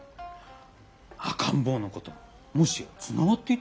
赤ん坊のことももしやつながっていたりして。